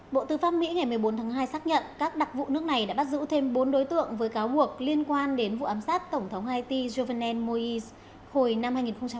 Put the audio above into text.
bộ tư pháp mỹ ngày một mươi bốn tháng hai xác nhận các đặc vụ nước này đã bắt giữ thêm bốn đối tượng với cáo buộc liên quan đến vụ ám sát tổng thống haiti jovn mouis hồi năm hai nghìn một mươi ba